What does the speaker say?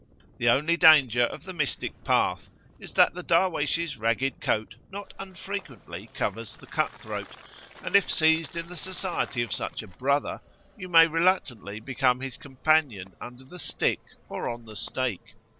The only danger of the "Mystic Path"[FN#25] is, that the Darwaysh's ragged coat not unfrequently covers the cut throat, and, if seized in the society of such a "brother," you may reluctantly become his companion, under the stick or on the stake.